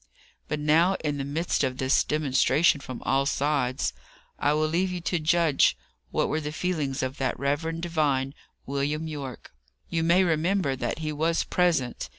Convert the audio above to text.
But now, in the midst of this demonstration from all sides, I will leave you to judge what were the feelings of that reverend divine, William Yorke. You may remember that he was present.